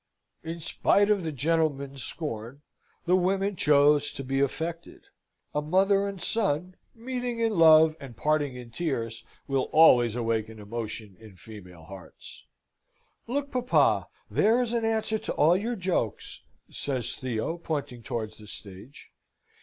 In spite of the gentlemen's scorn, the women chose to be affected. A mother and son, meeting in love and parting in tears, will always awaken emotion in female hearts. "Look, papa! there is an answer to all your jokes!" says Theo, pointing towards the stage.